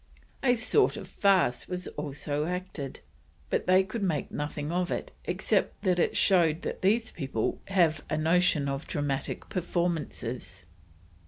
A sort of farce was also acted, but they could make nothing of it, except that it "showed that these people have a notion of Dramatic Performances."